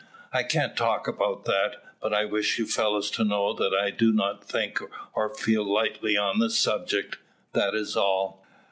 I can't talk about that; but I wish you fellows to know that I do not think or feel lightly on the subject, that is all.